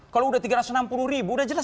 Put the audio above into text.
kalau udah tiga ratus enam puluh ribu udah jelas